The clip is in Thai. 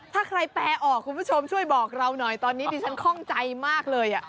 ถ้าใครแปลออกคุณผู้ชมช่วยบอกเราหน่อยตอนนี้ดิฉันคล่องใจมากเลย